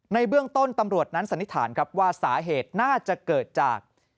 ในเบื้องต้นตำรวจนั้นสันนิษฐานครับว่าสาเหตุน่าจะเกิดจาก